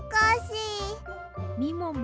みもも